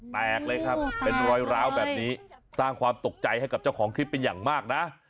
แตกเลยครับเป็นรอยร้าวแบบนี้สร้างความตกใจให้กับเจ้าของคลิปเป็นอย่างมากนะ